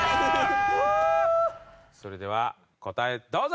それでは答えどうぞ。